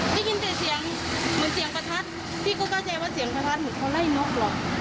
ได้ยินแต่เสียงเหมือนเสียงประทัดพี่ก็เข้าใจว่าเสียงประทัดเหมือนเขาไล่นกหรอก